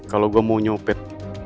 kalau gue mau nyupit